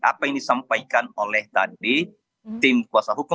apa yang disampaikan oleh tadi tim kuasa hukum